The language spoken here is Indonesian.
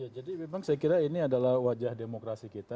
jadi memang saya kira ini adalah wajah demokrasi kita